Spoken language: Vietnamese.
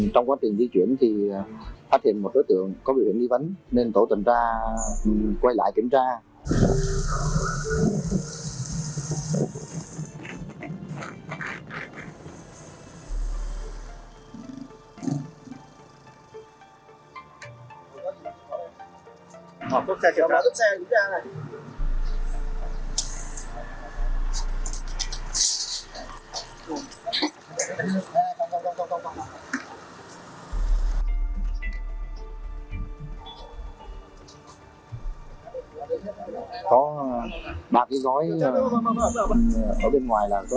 trong quá trình di chuyển thì phát hiện một đối tượng có biểu hiện đi vấn nên tổ tận ra quay lại kiểm tra